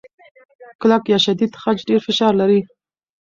کلک یا شدید خج ډېر فشار لري.